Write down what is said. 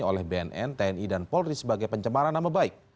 oleh bnn tni dan polri sebagai pencemaran nama baik